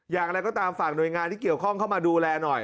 อย่างไรก็ตามฝากหน่วยงานที่เกี่ยวข้องเข้ามาดูแลหน่อย